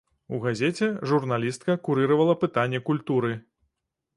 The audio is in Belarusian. У газеце журналістка курыравала пытанні культуры.